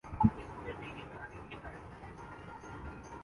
کو جنگ کرنے کا حکم دیا